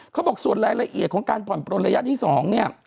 เขาบอกส่วนรายละเอียดของการผ่อนปลนระยะที่๒เนี่ย